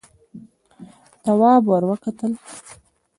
تواب ور وکتل: